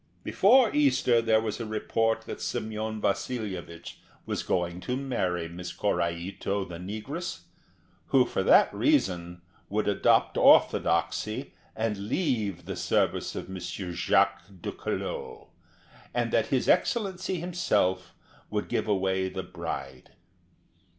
Before Easter there was a report that Semyon Vasilyevich was going to marry Miss Korraito the negress, who for that reason would adopt Orthodoxy and leave the service of M. Jacques Ducquelau, and that his Excellency himself would give away the bride.